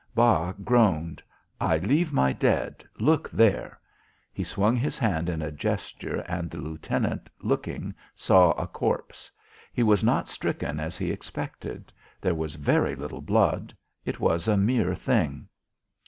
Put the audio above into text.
Bas groaned. "I leave my dead. Look there." He swung his hand in a gesture and the lieutenant looking saw a corpse. He was not stricken as he expected; there was very little blood; it was a mere thing.